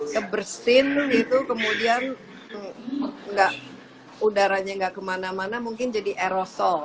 kebersin gitu kemudian udaranya nggak kemana mana mungkin jadi aerosol